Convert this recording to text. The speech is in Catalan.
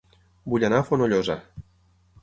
Vull anar a Fonollosa